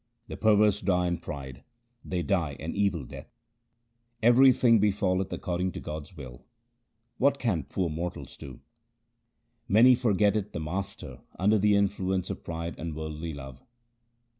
The perverse die in pride ; they die an evil death. Everything befalleth according to God's will ; what can poor mortals do ? Man forgetteth the Master under the influence of pride and worldly love.